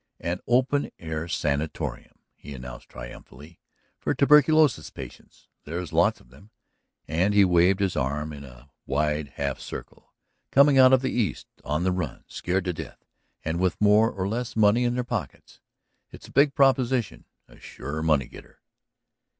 "An open air sanatorium," he announced triumphantly. "For tuberculosis patients. There are lots of them," and he waved his arm in a wide half circle, "coming out of the East on the run, scared to death, and with more or less money in their pockets. It's a big proposition, a sure money getter."